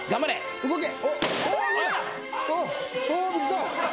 動け！